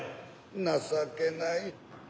情けない。